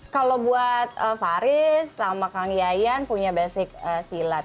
kalau buat faris sama kang yayan punya basic silat